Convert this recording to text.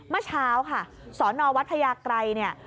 เมื่อเช้าค่ะสอนอวัดพญาไกรเนี่ย